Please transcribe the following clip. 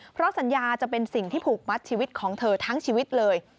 เพราะสัญญาจะเป็นสิ่งที่ผูกมัดชีวิตของเธอทั้งชีวิตเลย